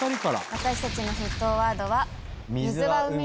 私たちの沸騰ワードは。